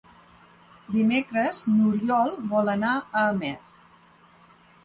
Dimecres n'Oriol vol anar a Amer.